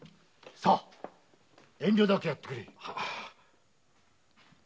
さあ遠慮なくやってくれ。